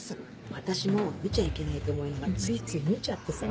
私も見ちゃいけないと思いながらついつい見ちゃってさ。